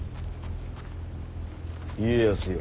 家康よ。